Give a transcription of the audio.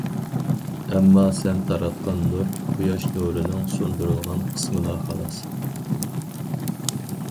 ئەمما سەن تاراتقان نۇر قۇياش نۇرىنىڭ سۇندۇرۇلغان قىسمىلا خالاس.